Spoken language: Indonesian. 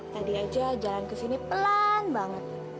tadi aja jalan kesini pelan banget